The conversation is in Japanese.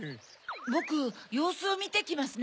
ボクようすをみてきますね。